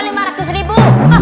bagaimana kalau lima ratus ribu